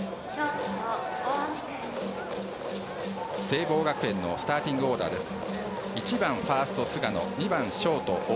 聖望学園のスターティングオーダーです。